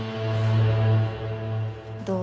どう？